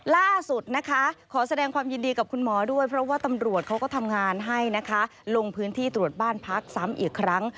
ล่าสุดนะคะขอแสดงความยินดีกับคุณหมอด้วยเพราะว่าตำรวจเขาก็ทำงานให้นะคะลงพื้นที่ตรวจบ้านพักซ้ำอีกครั้ง